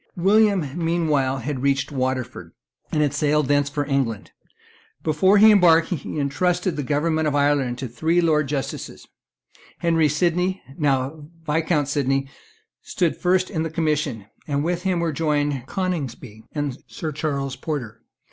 William meanwhile had reached Waterford, and had sailed thence for England. Before he embarked, he entrusted the government of Ireland to three Lords Justices. Henry Sydney, now Viscount Sydney, stood first in the commission; and with him were joined Coningsby and Sir Charles Porter.